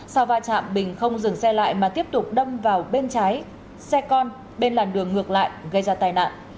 sau va chạm bình không dừng xe lại mà tiếp tục đâm vào bên trái xe con bên làn đường ngược lại gây ra tai nạn